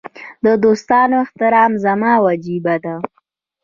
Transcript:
د دوستانو احترام زما وجیبه ده.